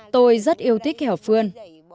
tôi rất yêu thích hèo phương